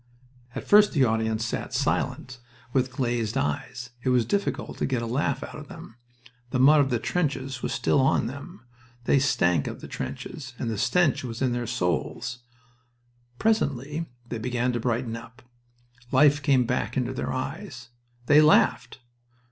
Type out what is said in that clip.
At first the audience sat silent, with glazed eyes. It was difficult to get a laugh out of them. The mud of the trenches was still on them. They stank of the trenches, and the stench was in their souls. Presently they began to brighten up. Life came back into their eyes. They laughed!...